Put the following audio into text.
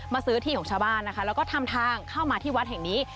ซื้อที่ของชาวบ้านนะคะแล้วก็ทำทางเข้ามาที่วัดแห่งนี้